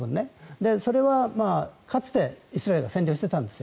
それはかつてイスラエルが占領していたんです。